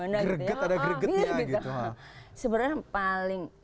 gereget ada geregetnya gitu